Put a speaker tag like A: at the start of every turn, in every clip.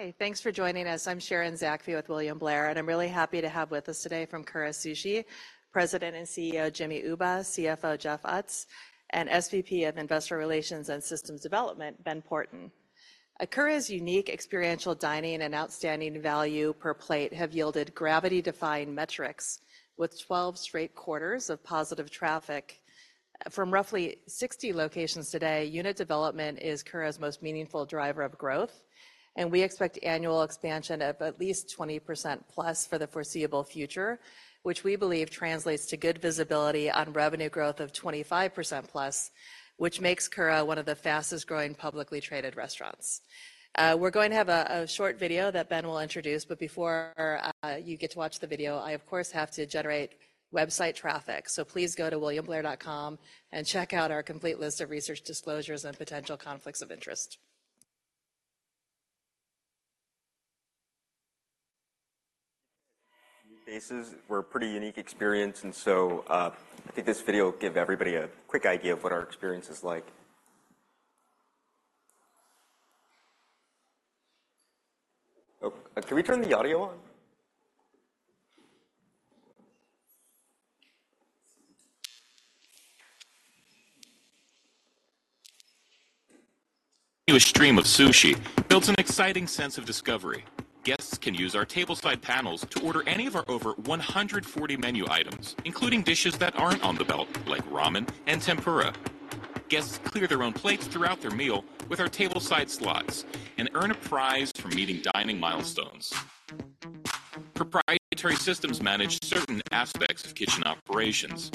A: Hi, thanks for joining us. I'm Sharon Zackfia with William Blair, and I'm really happy to have with us today from Kura Sushi, President and CEO, Jimmy Uba, CFO, Jeff Utz, and SVP of Investor Relations and Systems Development, Ben Porton. Kura's unique experiential dining and outstanding value per plate have yielded gravity-defying metrics, with 12 straight quarters of positive traffic. From roughly 60 locations today, unit development is Kura's most meaningful driver of growth, and we expect annual expansion of at least 20%+ for the foreseeable future, which we believe translates to good visibility on revenue growth of 25%+, which makes Kura one of the fastest-growing publicly traded restaurants. We're going to have a short video that Ben will introduce, but before you get to watch the video, I, of course, have to generate website traffic. Please go to williamblair.com and check out our complete list of research disclosures and potential conflicts of interest. ...
B: Bases, we're a pretty unique experience, and so, I think this video will give everybody a quick idea of what our experience is like. Oh, can we turn the audio on?...
C: A stream of Sushi builds an exciting sense of discovery. Guests can use our tableside panels to order any of our over 140 menu items, including dishes that aren't on the belt, like ramen and tempura. Guests clear their own plates throughout their meal with our tableside slots and earn a prize for meeting dining milestones. Proprietary systems manage certain aspects of kitchen operations,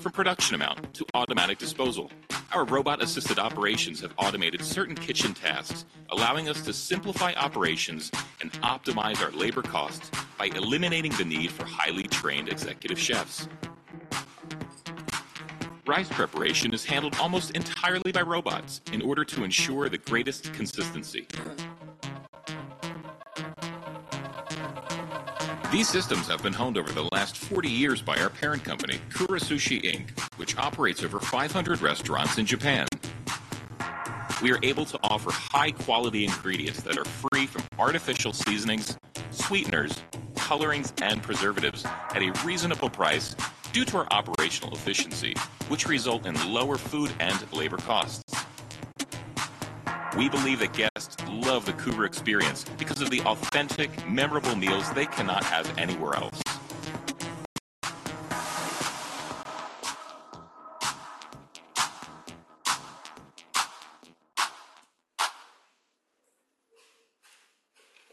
C: from production amount to automatic disposal. Our robot-assisted operations have automated certain kitchen tasks, allowing us to simplify operations and optimize our labor costs by eliminating the need for highly trained executive chefs. Rice preparation is handled almost entirely by robots in order to ensure the greatest consistency. These systems have been honed over the last 40 years by our parent company, Kura Sushi, Inc., which operates over 500 restaurants in Japan. We are able to offer high-quality ingredients that are free from artificial seasonings, sweeteners, colorings, and preservatives at a reasonable price due to our operational efficiency, which result in lower food and labor costs. We believe that guests love the Kura experience because of the authentic, memorable meals they cannot have anywhere else.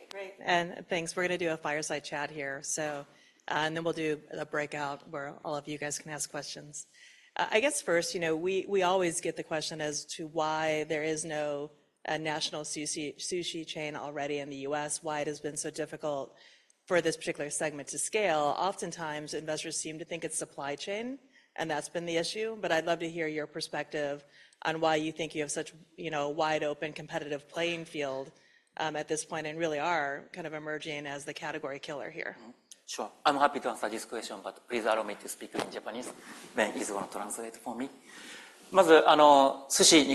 A: Great, and thanks. We're gonna do a fireside chat here, so, and then we'll do a breakout where all of you guys can ask questions. I guess first, you know, we, we always get the question as to why there is no, a national sushi, sushi chain already in the U.S., why it has been so difficult for this particular segment to scale. Oftentimes, investors seem to think it's supply chain, and that's been the issue. But I'd love to hear your perspective on why you think you have such, you know, a wide-open, competitive playing field, at this point, and really are kind of emerging as the category killer here.
B: Sure. I'm happy to answer this question, but please allow me to speak in Japanese. Ben is going to translate for me. Hi, so sushi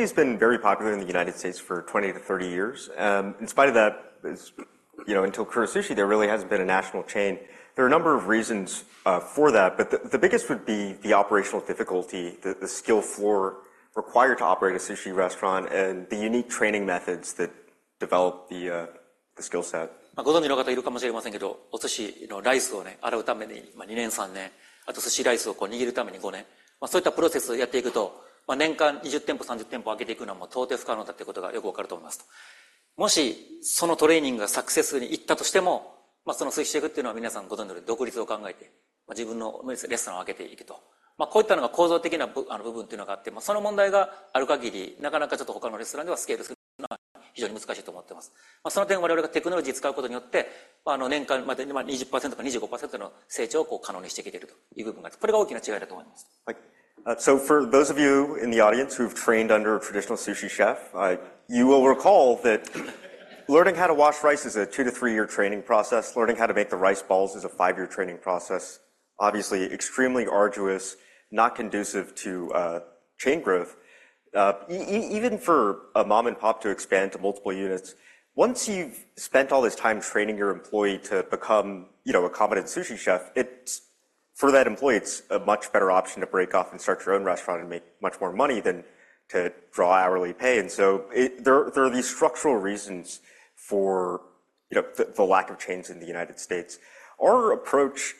B: has been very popular in the United States for 20-30 years. In spite of that, as you know, until Kura Sushi, there really hasn't been a national chain. There are a number of reasons for that, but the biggest would be the operational difficulty, the skill floor required to operate a sushi restaurant, and the unique training methods that develop the skill set. So for those of you in the audience who've trained under a traditional sushi chef, you will recall that learning how to wash rice is a 2-3-year training process. Learning how to make the rice balls is a 5-year training process. Obviously, extremely arduous, not conducive to chain growth. Even for a mom-and-pop to expand to multiple units, once you've spent all this time training your employee to become, you know, a competent sushi chef, it's, for that employee, it's a much better option to break off and start your own restaurant and make much more money than to draw hourly pay. And so there are these structural reasons for, you know, the lack of chains in the United States. Our approach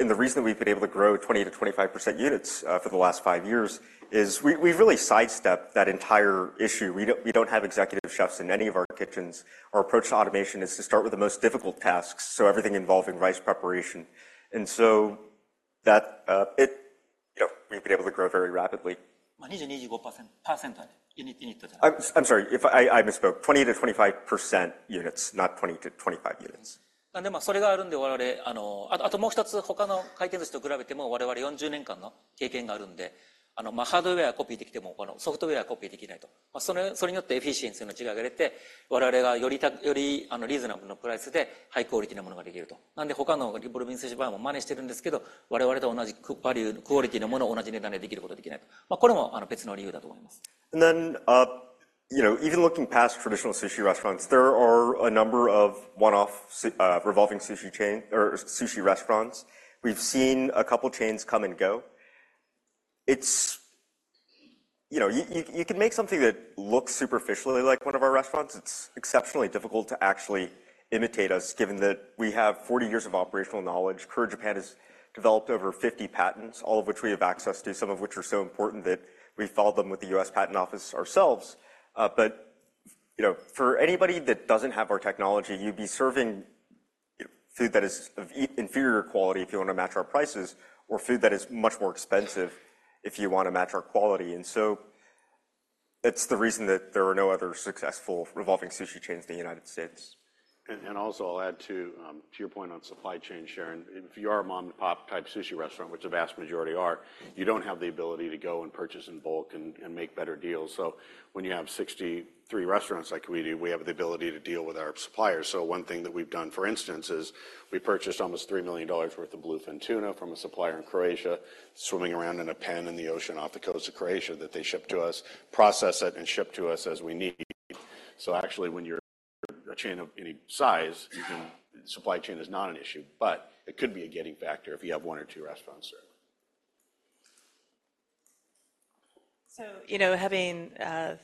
B: and the reason that we've been able to grow 20%-25% units for the last five years is we've really sidestepped that entire issue. We don't have executive chefs in any of our kitchens. Our approach to automation is to start with the most difficult tasks, so everything involving rice preparation. And so that, it, you know, we've been able to grow very rapidly. 20-25% units, not 20-25 units. I'm, I'm sorry, if I, I misspoke. 20-25% units, not 20-25 units....
D: なので、まあ、それがあるんで、我々、あの、あともう一つ、他の回転寿司と比べても、我々40年間の経験があるんで、あの、まあハードウェアはコピーできても、このソフトウェアはコピーできないと。まあ、それ、それによってエフィシェンシーの違いが出て、我々がより、より、あの、リーズナブルなプライスでハイクオリティなものができると。なんで、他のリボルビング寿司バーも真似してるんですけど、我々と同じクオリティのものを同じ値段でできることできないと。まあ、これも、あの、別の理由だと思います。
B: And then, you know, even looking past traditional sushi restaurants, there are a number of one-off sushi revolving sushi chain or sushi restaurants. We've seen a couple chains come and go. It's, you know, you can make something that looks superficially like one of our restaurants. It's exceptionally difficult to actually imitate us, given that we have 40 years of operational knowledge. Kura Japan has developed over 50 patents, all of which we have access to, some of which are so important that we filed them with the U.S. Patent Office ourselves. But, you know, for anybody that doesn't have our technology, you'd be serving, you know, food that is of inferior quality if you want to match our prices, or food that is much more expensive if you want to match our quality. That's the reason that there are no other successful revolving sushi chains in the United States.
E: Also, I'll add, too, to your point on supply chain, Sharon, if you are a mom-and-pop-type sushi restaurant, which the vast majority are, you don't have the ability to go and purchase in bulk and make better deals. So when you have 63 restaurants like we do, we have the ability to deal with our suppliers. So one thing that we've done, for instance, is we purchased almost $3 million worth of bluefin tuna from a supplier in Croatia, swimming around in a pen in the ocean off the coast of Croatia, that they ship to us, process it, and ship to us as we need. So actually, when you're a chain of any size, you can... supply chain is not an issue, but it could be a gating factor if you have one or two restaurants, certainly.
A: So, you know, having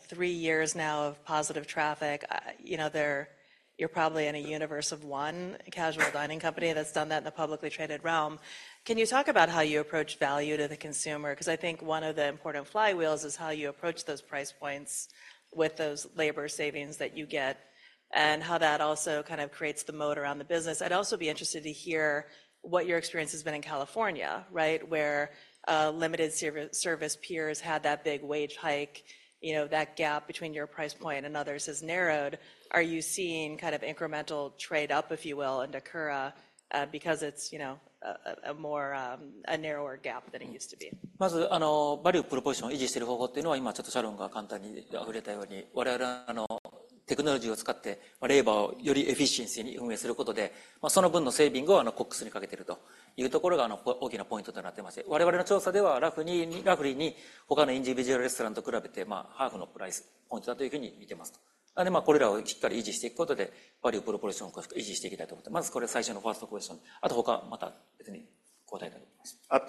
A: three years now of positive traffic, you know, you're probably in a universe of one casual dining company that's done that in the publicly traded realm. Can you talk about how you approach value to the consumer? Because I think one of the important flywheels is how you approach those price points with those labor savings that you get and how that also kind of creates the moat around the business. I'd also be interested to hear what your experience has been in California, right? Where limited service peers had that big wage hike. You know, that gap between your price point and others has narrowed. Are you seeing kind of incremental trade up, if you will, into Kura because it's, you know, a narrower gap than it used to be?
D: First, the way to maintain the value proposition is, as Sharon simply stated just now, we use technology to operate labor more efficiently, and the savings from that are being applied to costs; that is the big point. In our survey, roughly, roughly compared to other individual restaurants, it is viewed as half the price point. So, by firmly maintaining these, we want to maintain the value proposition. First, this first question. And others, I will answer separately.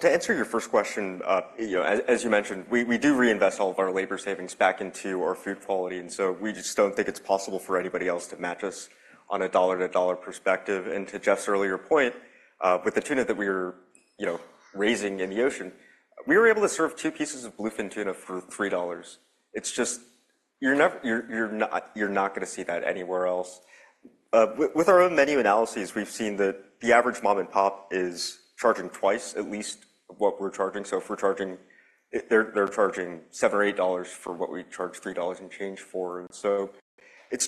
B: To answer your first question, you know, as you mentioned, we do reinvest all of our labor savings back into our food quality, and so we just don't think it's possible for anybody else to match us on a dollar-to-dollar perspective. And to Jeff's earlier point, with the tuna that we are, you know, raising in the ocean, we were able to serve 2 pieces of bluefin tuna for $3. It's just... you're not gonna see that anywhere else. With our own menu analyses, we've seen that the average mom-and-pop is charging twice at least what we're charging. So if they're charging $7 or $8 for what we charge $3 and change for. So it's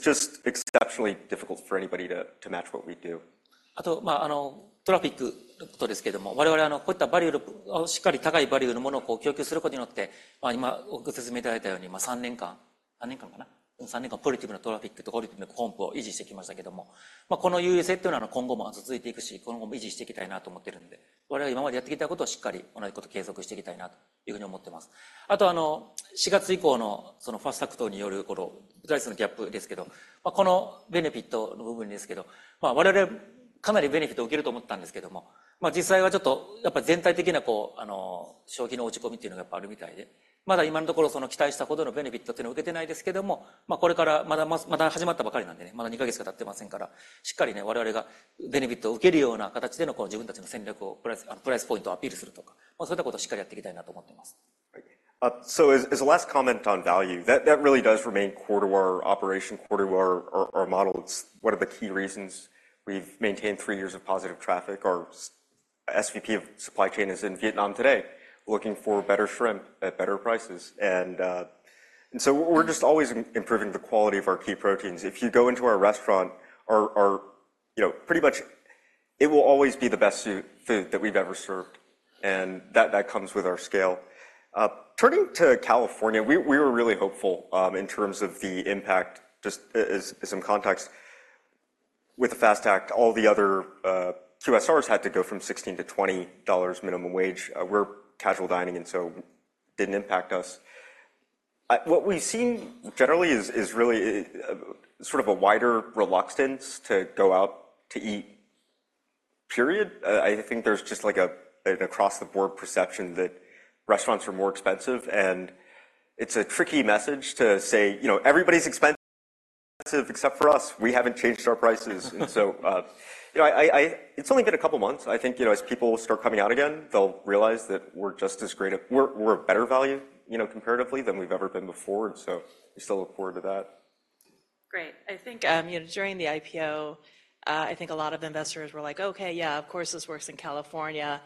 B: just exceptionally difficult for anybody to match what we do.
D: あと、まあ、あの、トラフィックの事ですが、我々、あの、こういうバリューの、しっかり高いバリューのものを、こう、供給することによって、まあ、今ご説明いただいたように、まあ、3年間、3年間かな。3年間ポジティブなトラフィックとポジティブなcompを維持してきましたけど。まあ、この優位性っていうのは、あの、今後も、まあ、続いていくし、今後も維持していきたいなと思ってるんで、我々、今までやってきたことをしっかり同じこと継続していきたいなというふうに思ってます。あと、あの、4月以降の、そのFAST Actによる、このプライスのギャップですが、まあ、このベネフィットの部分ですが、まあ、我々、かなりベネフィットを受けると思ったんですけど、まあ、実際はちょっと、やっぱり全体的な、こう、あの、消費の落ち込みっていうのがやっぱりあるみたいで。まだ今のところ、その期待したほどのベネフィットっていうのは受けてないですけど、まあ、これから、まだ、まだ始めたばかりなんでね、まだ2ヶ月しか経ってませんから、しっかりね、我々がベネフィットを受けるような形で、こう、自分たちの戦略を、プライス、あの、プライスポイントをアピールするとか、そういったことをしっかりやっていきたいなと思ってます。
B: So as a last comment on value, that really does remain core to our operation, core to our model. It's one of the key reasons we've maintained three years of positive traffic. Our SVP of supply chain is in Vietnam today, looking for better shrimp at better prices. And so we're just always improving the quality of our key proteins. If you go into our restaurant, our, you know, pretty much it will always be the best sushi food that we've ever served, and that comes with our scale. Turning to California, we were really hopeful in terms of the impact, just as some context. With the FAST Act, all the other QSRs had to go from $16-$20 minimum wage. We're casual dining, and so didn't impact us. What we've seen generally is sort of a wider reluctance to go out to eat, period. I think there's just like an across-the-board perception that restaurants are more expensive, and it's a tricky message to say, "You know, everybody's expensive except for us. We haven't changed our prices." So, you know, it's only been a couple of months. I think, you know, as people start coming out again, they'll realize that we're a better value, you know, comparatively than we've ever been before, and so we still look forward to that....
A: Great. I think, you know, during the IPO, I think a lot of investors were like: "Okay, yeah, of course, this works in California.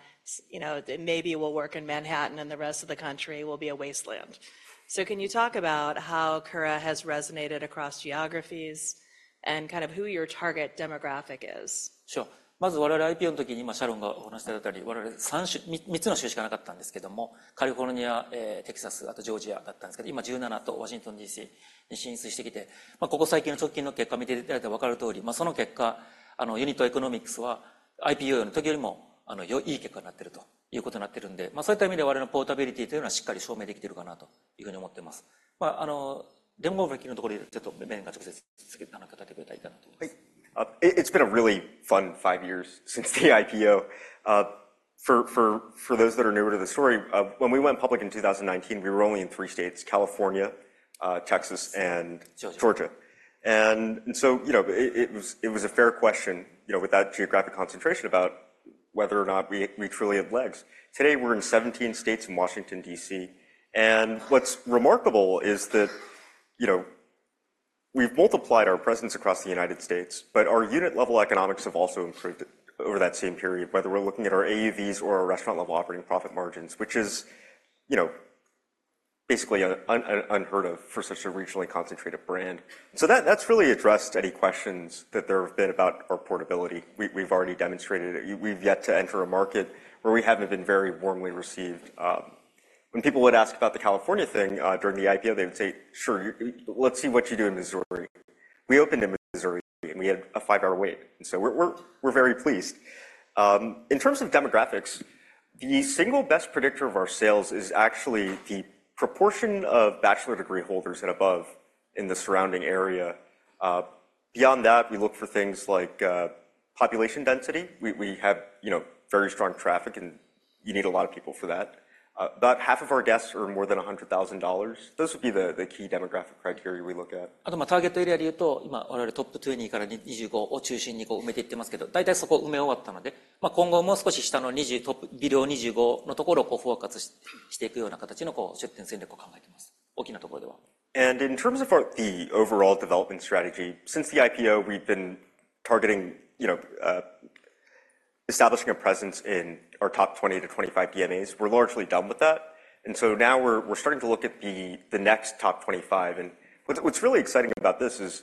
A: You know, maybe it will work in Manhattan, and the rest of the country will be a wasteland." So can you talk about how Kura has resonated across geographies and kind of who your target demographic is?
B: Sure. It's been a really fun five years since the IPO. For those that are newer to the story, when we went public in 2019, we were only in three states: California, Texas, and-
E: Georgia.
B: Georgia. And so, you know, it was a fair question, you know, with that geographic concentration about whether or not we truly had legs. Today, we're in 17 states and Washington, D.C., and what's remarkable is that, you know, we've multiplied our presence across the United States, but our unit-level economics have also improved over that same period, whether we're looking at our AUVs or our restaurant-level operating profit margins, which is, you know, basically unheard of for such a regionally concentrated brand. So that, that's really addressed any questions that there have been about our portability. We've already demonstrated it. We've yet to enter a market where we haven't been very warmly received. When people would ask about the California thing, during the IPO, they would say: "Sure, let's see what you do in Missouri." We opened in Missouri, and we had a 5-hour wait, and so we're very pleased. In terms of demographics, the single best predictor of our sales is actually the proportion of bachelor's degree holders and above in the surrounding area. Beyond that, we look for things like population density. We have, you know, very strong traffic, and you need a lot of people for that. About half of our guests earn more than $100,000. Those would be the key demographic criteria we look at. And in terms of our overall development strategy, since the IPO, we've been targeting, you know, establishing a presence in our top 20-25 DMAs. We're largely done with that, and so now we're starting to look at the next top 25. And what's really exciting about this is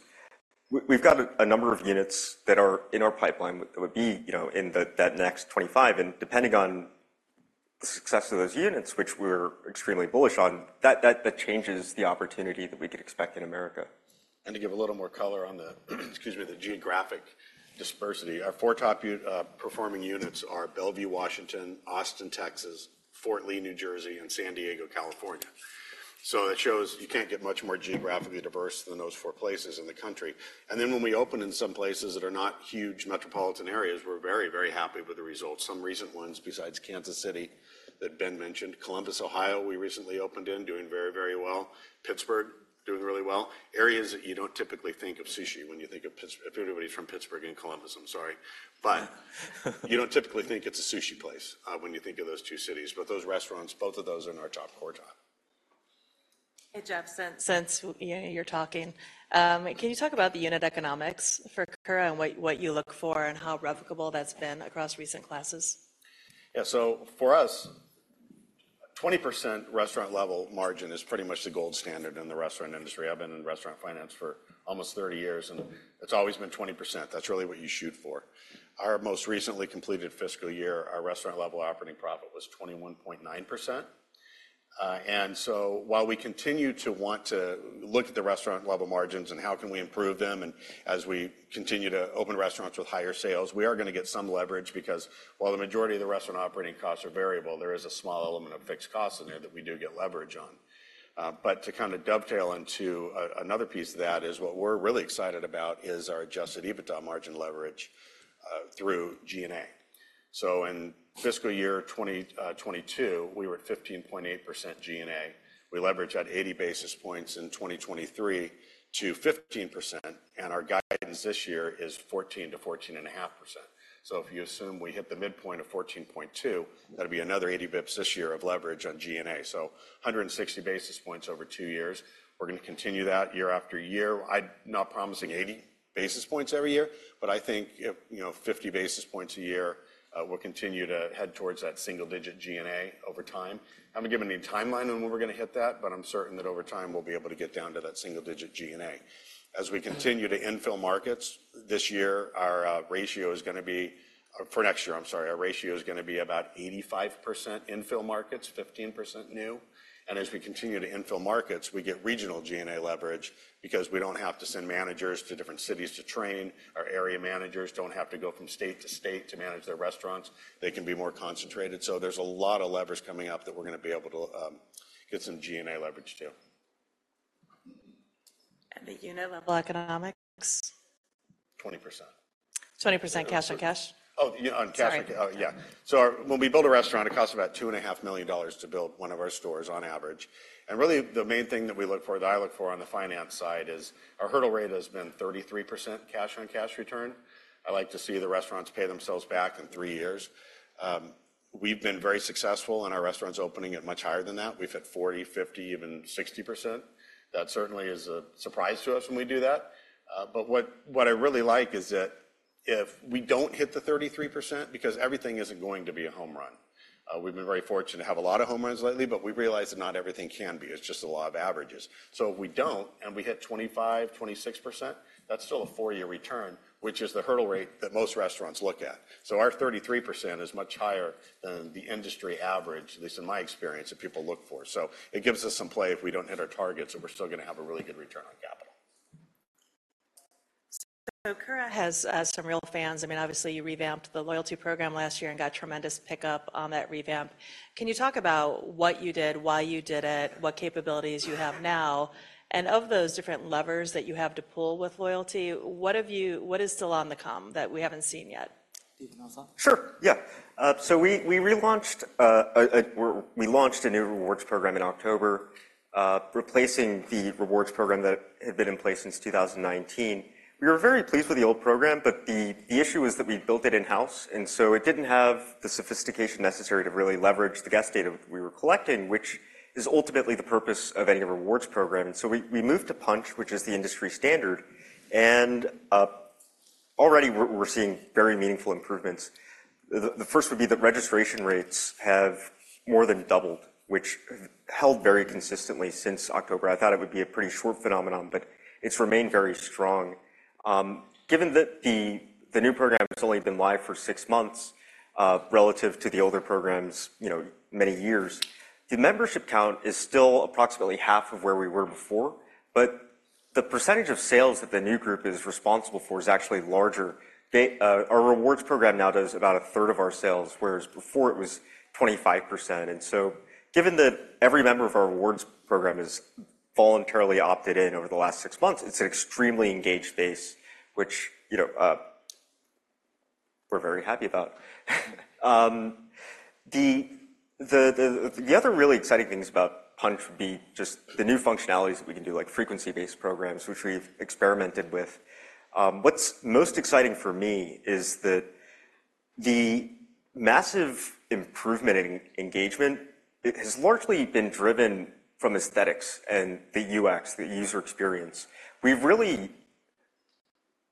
B: we've got a number of units that are in our pipeline that would be, you know, in that next 25, and depending on the success of those units, which we're extremely bullish on, that changes the opportunity that we could expect in America.
E: To give a little more color on the, excuse me, the geographic diversity, our four top performing units are Bellevue, Washington, Austin, Texas, Fort Lee, New Jersey, and San Diego, California. So that shows you can't get much more geographically diverse than those four places in the country. And then, when we open in some places that are not huge metropolitan areas, we're very, very happy with the results. Some recent ones, besides Kansas City that Ben mentioned, Columbus, Ohio, we recently opened in, doing very, very well. Pittsburgh, doing really well. Areas that you don't typically think of sushi when you think of Pittsburgh. If anybody's from Pittsburgh and Columbus, I'm sorry, but you don't typically think it's a sushi place, when you think of those two cities, but those restaurants, both of those are in our top core top.
A: Hey, Jeff, since you're talking, can you talk about the unit economics for Kura and what you look for and how replicable that's been across recent classes?
E: Yeah. So for us, 20% restaurant-level margin is pretty much the gold standard in the restaurant industry. I've been in restaurant finance for almost 30 years, and it's always been 20%. That's really what you shoot for. Our most recently completed fiscal year, our restaurant-level operating profit was 21.9%. And so while we continue to want to look at the restaurant-level margins and how can we improve them, and as we continue to open restaurants with higher sales, we are gonna get some leverage because while the majority of the restaurant operating costs are variable, there is a small element of fixed costs in there that we do get leverage on. But to kind of dovetail into another piece of that is what we're really excited about is our adjusted EBITDA margin leverage through G&A. So in fiscal year 2022, we were at 15.8% G&A. We leveraged 80 basis points in 2023 to 15%, and our guidance this year is 14%-14.5%. So if you assume we hit the midpoint of 14.2, that'd be another 80 basis points this year of leverage on G&A. So 160 basis points over two years. We're gonna continue that year after year. I'm not promising 80 basis points every year, but I think if, you know, 50 basis points a year, we'll continue to head towards that single-digit G&A over time. I haven't given any timeline on when we're gonna hit that, but I'm certain that over time, we'll be able to get down to that single-digit G&A. As we continue to infill markets this year, our ratio is gonna be... For next year, I'm sorry, our ratio is gonna be about 85% infill markets, 15% new, and as we continue to infill markets, we get regional G&A leverage because we don't have to send managers to different cities to train. Our area managers don't have to go from state to state to manage their restaurants. They can be more concentrated. So there's a lot of leverage coming up that we're gonna be able to get some G&A leverage, too.
A: The unit-level economics?
E: Twenty percent.
A: 20% cash on cash?
E: Oh, yeah, on cash on-
A: Sorry.
E: Oh, yeah. So when we build a restaurant, it costs about $2.5 million to build one of our stores on average. And really, the main thing that we look for, that I look for on the finance side is our hurdle rate has been 33% cash-on-cash Return. I like to see the restaurants pay themselves back in three years. We've been very successful, and our restaurants opening at much higher than that. We've hit 40%, 50%, even 60%. That certainly is a surprise to us when we do that. But what, what I really like is that- ...
B: if we don't hit the 33%, because everything isn't going to be a home run. We've been very fortunate to have a lot of home runs lately, but we realize that not everything can be. It's just a lot of averages. So if we don't, and we hit 25%-26%, that's still a 4-year return, which is the hurdle rate that most restaurants look at. So our 33% is much higher than the industry average, at least in my experience, that people look for. So it gives us some play if we don't hit our targets, and we're still gonna have a really good return on capital.
A: So Kura has some real fans. I mean, obviously, you revamped the loyalty program last year and got tremendous pickup on that revamp. Can you talk about what you did, why you did it, what capabilities you have now? And of those different levers that you have to pull with loyalty, what is still on the come that we haven't seen yet?
D: Do you want to start?
B: Sure, yeah. So we relaunched a new rewards program in October, replacing the rewards program that had been in place since 2019. We were very pleased with the old program, but the issue was that we built it in-house, and so it didn't have the sophistication necessary to really leverage the guest data we were collecting, which is ultimately the purpose of any rewards program. And so we moved to Punchh, which is the industry standard, and already we're seeing very meaningful improvements. The first would be that registration rates have more than doubled, which held very consistently since October. I thought it would be a pretty short phenomenon, but it's remained very strong. Given that the new program has only been live for 6 months, relative to the older programs, you know, many years, the membership count is still approximately half of where we were before, but the percentage of sales that the new group is responsible for is actually larger. They, our rewards program now does about a third of our sales, whereas before it was 25%. And so given that every member of our rewards program has voluntarily opted in over the last 6 months, it's an extremely engaged base, which, you know, we're very happy about. The other really exciting things about Punchh would be just the new functionalities that we can do, like frequency-based programs, which we've experimented with. What's most exciting for me is that the massive improvement in engagement, it has largely been driven from aesthetics and the UX, the user experience. We really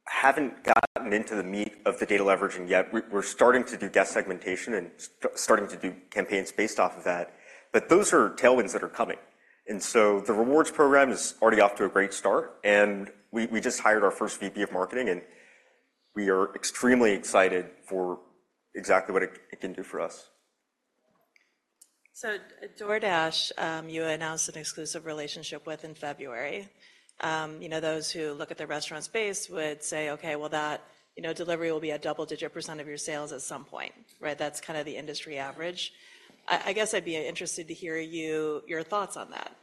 B: haven't gotten into the meat of the data leveraging yet. We're, we're starting to do guest segmentation and starting to do campaigns based off of that, but those are tailwinds that are coming. And so the rewards program is already off to a great start, and we, we just hired our first VP of marketing, and we are extremely excited for exactly what it, it can do for us.
A: So DoorDash, you announced an exclusive relationship with in February. You know, those who look at the restaurant space would say, "Okay, well, that, you know, delivery will be a double-digit % of your sales at some point," right? That's kinda the industry average. I, I guess I'd be interested to hear you, your thoughts on that.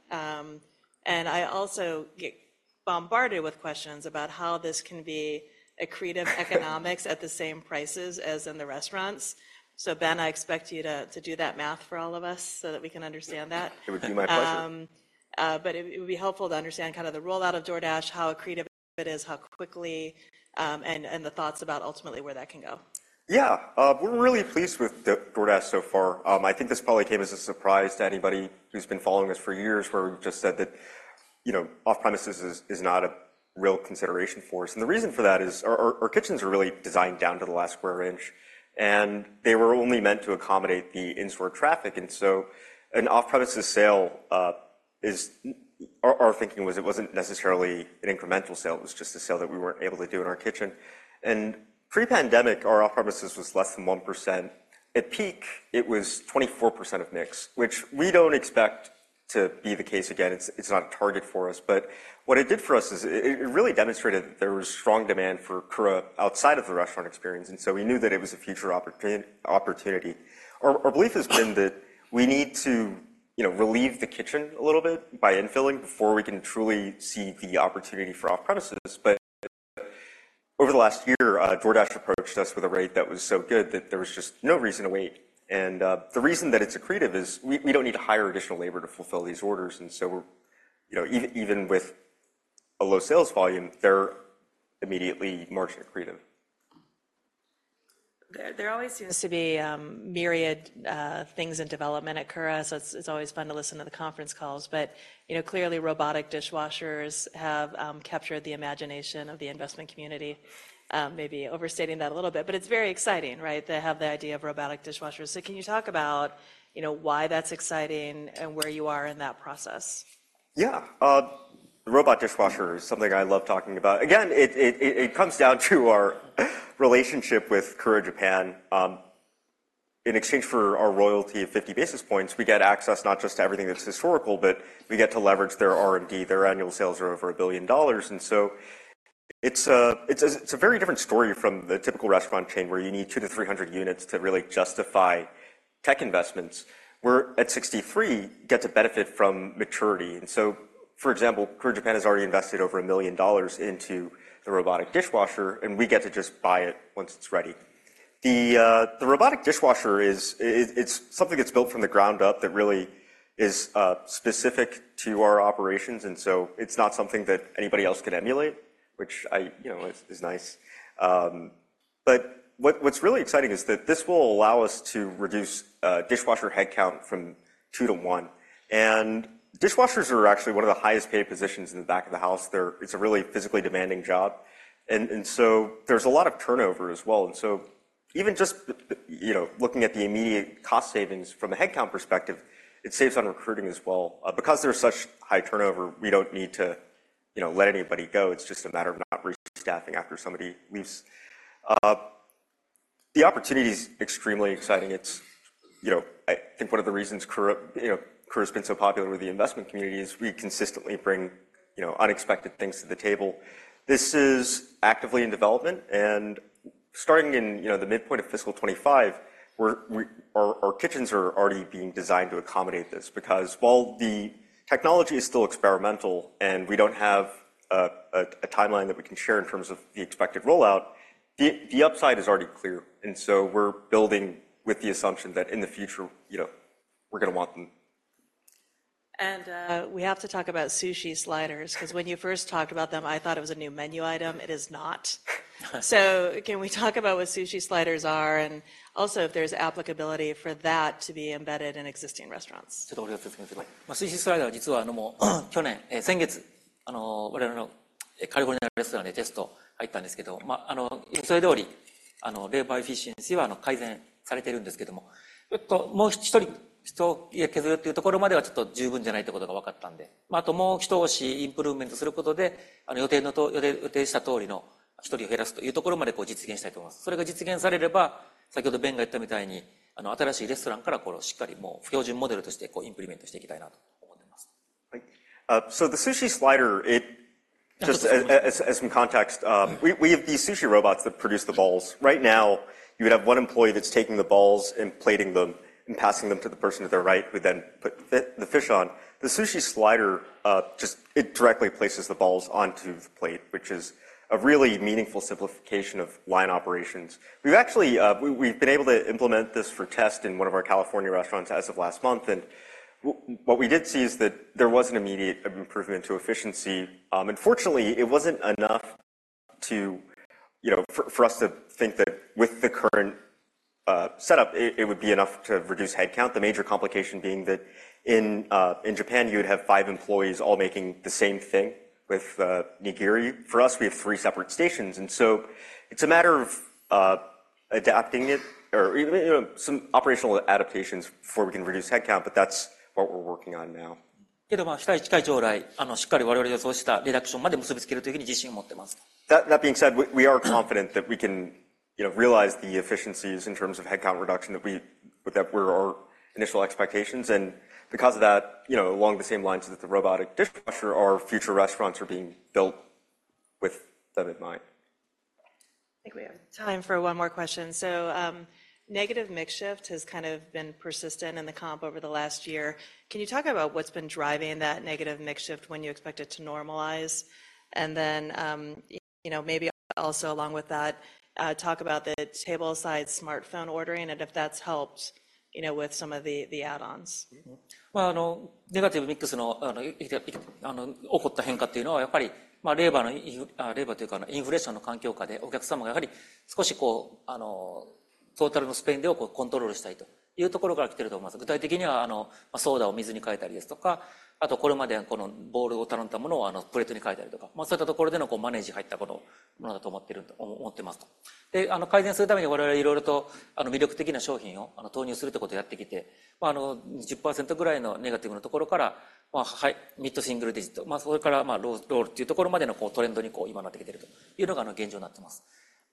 A: And I also get bombarded with questions about how this can be accretive economics - at the same prices as in the restaurants. So Ben, I expect you to, to do that math for all of us so that we can understand that.
B: It would be my pleasure.
A: But it would be helpful to understand kinda the rollout of DoorDash, how accretive it is, how quickly, and the thoughts about ultimately where that can go.
B: Yeah. We're really pleased with the DoorDash so far. I think this probably came as a surprise to anybody who's been following us for years, where we've just said that, you know, off-premises is not a real consideration for us. And the reason for that is our kitchens are really designed down to the last square inch, and they were only meant to accommodate the in-store traffic. And so an off-premises sale is... Our thinking was it wasn't necessarily an incremental sale, it was just a sale that we weren't able to do in our kitchen. And pre-pandemic, our off-premises was less than 1%. At peak, it was 24% of mix, which we don't expect to be the case again. It's not a target for us. But what it did for us is it really demonstrated that there was strong demand for Kura outside of the restaurant experience, and so we knew that it was a future opportunity. Our belief has been that we need to, you know, relieve the kitchen a little bit by infilling before we can truly see the opportunity for off-premises. But over the last year, DoorDash approached us with a rate that was so good that there was just no reason to wait. And the reason that it's accretive is we don't need to hire additional labor to fulfill these orders. And so, you know, even with a low sales volume, they're immediately margin accretive.
A: There always seems to be myriad things in development at Kura, so it's always fun to listen to the conference calls. But, you know, clearly, robotic dishwashers have captured the imagination of the investment community. Maybe overstating that a little bit, but it's very exciting, right? To have the idea of robotic dishwashers. So can you talk about, you know, why that's exciting and where you are in that process?
B: Yeah, the robot dishwasher is something I love talking about. Again, it comes down to our relationship with Kura Japan. In exchange for our royalty of 50 basis points, we get access not just to everything that's historical, but we get to leverage their R&D. Their annual sales are over $1 billion, and so it's a very different story from the typical restaurant chain, where you need 200-300 units to really justify tech investments, where at 63, you get to benefit from maturity. And so, for example, Kura Japan has already invested over $1 million into the robotic dishwasher, and we get to just buy it once it's ready. The robotic dishwasher is something that's built from the ground up that really is specific to our operations, and so it's not something that anybody else could emulate, which, you know, is nice. But what's really exciting is that this will allow us to reduce dishwasher head count from two to one. And dishwashers are actually one of the highest paid positions in the back of the house. It's a really physically demanding job, and so there's a lot of turnover as well. And so even just, you know, looking at the immediate cost savings from a headcount perspective, it saves on recruiting as well. Because there's such high turnover, we don't need to, you know, let anybody go. It's just a matter of not restaffing after somebody leaves. The opportunity is extremely exciting. It's, you know, I think one of the reasons Kura, you know, Kura has been so popular with the investment community is we consistently bring, you know, unexpected things to the table. This is actively in development, and starting in, you know, the midpoint of fiscal 25, we're. Our kitchens are already being designed to accommodate this. Because while the technology is still experimental and we don't have a timeline that we can share in terms of the expected rollout, the upside is already clear. And so we're building with the assumption that in the future, you know, we're gonna want them.
A: We have to talk about Sushi Sliders, 'cause when you first talked about them, I thought it was a new menu item. It is not. So can we talk about what Sushi Sliders are and also if there's applicability for that to be embedded in existing restaurants?
B: Sushi Slider. So the Sushi Slider, just as some context, we have these sushi robots that produce the balls. Right now, you would have one employee that's taking the balls and plating them and passing them to the person to their right, who then put the fish on. The Sushi Slider just it directly places the balls onto the plate, which is a really meaningful simplification of line operations. We've actually we've been able to implement this for test in one of our California restaurants as of last month, and what we did see is that there was an immediate improvement to efficiency. Unfortunately, it wasn't enough to, you know, for us to think that with the current setup, it would be enough to reduce headcount. The major complication being that in Japan, you would have five employees all making the same thing with nigiri. For us, we have three separate stations, and so it's a matter of adapting it or even, you know, some operational adaptations before we can reduce headcount, but that's what we're working on now.... That being said, we are confident that we can, you know, realize the efficiencies in terms of headcount reduction, that we... With that were our initial expectations, and because of that, you know, along the same lines that the robotic dishwasher, our future restaurants are being built with them in mind.
A: I think we have time for one more question. So, negative mix shift has kind of been persistent in the comp over the last year. Can you talk about what's been driving that negative mix shift, when you expect it to normalize? And then, you know, maybe also along with that, talk about the table-side smartphone ordering and if that's helped, you know, with some of the add-ons.
B: Well, negative mix.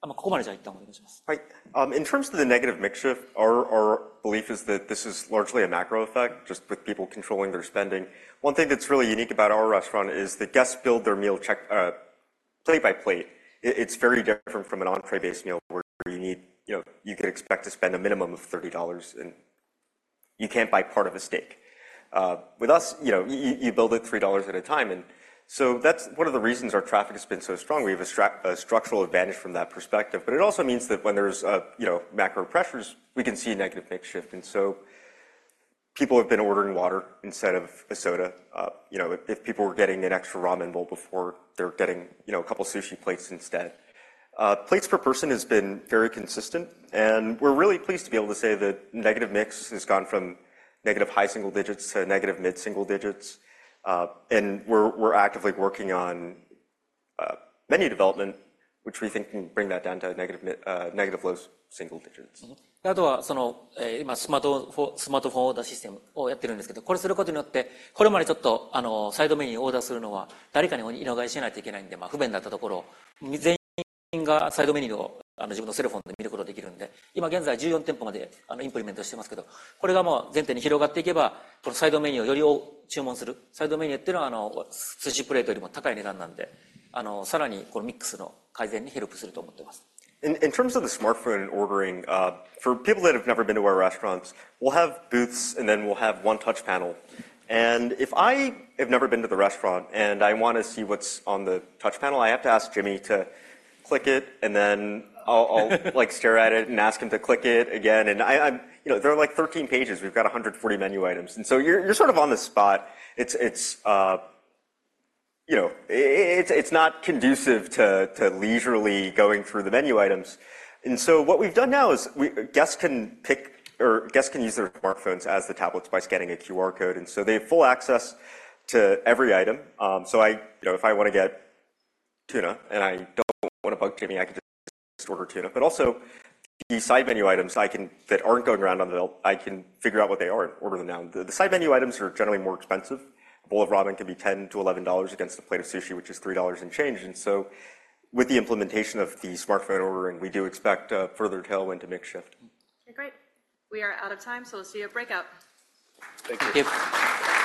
B: In terms of the negative mix shift, our belief is that this is largely a macro effect, just with people controlling their spending. One thing that's really unique about our restaurant is that guests build their meal check, plate by plate. It's very different from an entree-based meal where you need. You know, you can expect to spend a minimum of $30, and you can't buy part of a steak. With us, you know, you build it $3 at a time, and so that's one of the reasons our traffic has been so strong. We have a structural advantage from that perspective, but it also means that when there's, you know, macro pressures, we can see a negative mix shift. And so people have been ordering water instead of a soda. You know, if people were getting an extra ramen bowl before, they're getting, you know, a couple sushi plates instead. Plates per person has been very consistent, and we're really pleased to be able to say that negative mix has gone from negative high single digits to negative mid-single digits. And we're actively working on menu development, which we think can bring that down to negative mid, negative low single digits. In terms of the smartphone ordering, for people that have never been to our restaurants, we'll have booths, and then we'll have one touch panel. If I have never been to the restaurant and I want to see what's on the touch panel, I have to ask Jimmy to click it, and then—I'll, like, stare at it and ask him to click it again. And, you know, there are, like, 13 pages. We've got 140 menu items, and so you're sort of on the spot. It's, you know, it's not conducive to leisurely going through the menu items. And so what we've done now is guests can pick or guests can use their smartphones as the tablets by scanning a QR code, and so they have full access to every item. So, you know, if I want to get tuna and I don't want to bug Jimmy, I can just order tuna. But also, the side menu items I can figure out what they are and order them now. The side menu items are generally more expensive. A bowl of ramen can be $10-$11 against a plate of sushi, which is $3 and change. And so with the implementation of the smartphone ordering, we do expect a further tailwind to mix shift.
A: Great! We are out of time, so we'll see you at breakout.
B: Thank you. Thank you.